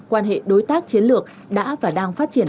quan hệ đối tác chiến lược đã và đang phát triển